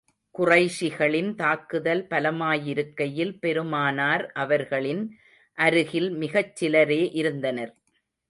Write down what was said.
குறைஷிகளின் தாக்குதல் பலமாயிருக்கையில், பெருமானார் அவர்களின் அருகில் மிகச் சிலரே இருந்தனர்.